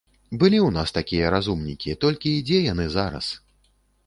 Былі ў нас такія разумнікі, толькі дзе яны зараз?